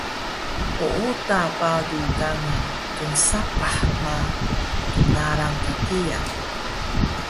ooda paru kana tnsapah ma tnalang ka kiya